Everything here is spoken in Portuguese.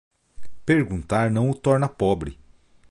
Perguntar não o torna pobre.